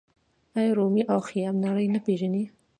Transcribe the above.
آیا رومي او خیام نړۍ نه پیژني؟